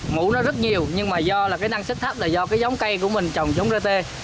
ngủ nó rất nhiều nhưng mà do là cái năng sức thấp là do cái giống cây của mình trồng giống rat